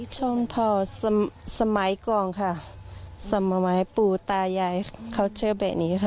ชมพอสมัยก่อนค่ะสมัยปู่ตายายเขาเชื่อแบบนี้ค่ะ